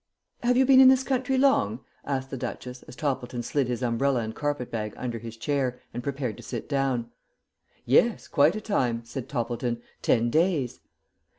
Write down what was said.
"Have you been in this country long?" asked the Duchess, as Toppleton slid his umbrella and carpet bag under his chair, and prepared to sit down. "Yes, quite a time," said Toppleton. "Ten days."